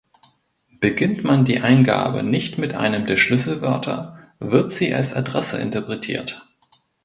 Beginnt man die Eingabe nicht mit einem der Schlüsselwörter, wird sie als Adresse interpretiert.